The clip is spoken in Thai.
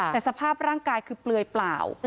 แต่สภาพร่างกายคือเปลือยเปล่า